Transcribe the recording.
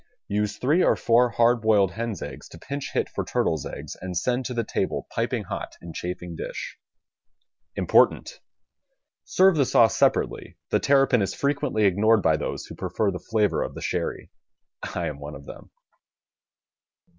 Use three or four hard boiled hens' eggs to pinch hit for turtle's eggs and send to the table piping hot in chafing dish. IMPORTANT : Serve the sauce separately. The ter rapin is frequently ignored by those who prefer the flavor of the sherry. I am one of them.